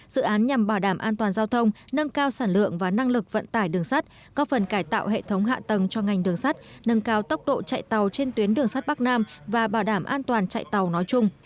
dự án nhằm bảo đảm an toàn giao thông nâng cao sản lượng và năng lực vận tải đường sắt có phần cải tạo hệ thống hạ tầng cho ngành đường sắt nâng cao tốc độ chạy tàu trên tuyến đường sắt bắc nam và bảo đảm an toàn chạy tàu nói chung